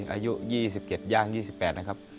อายุ๒๗ย่าง๒๘นะครับ